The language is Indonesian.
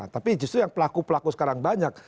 tapi justru yang pelaku pelaku sekarang banyak